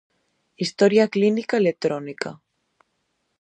Historia clínica electrónica.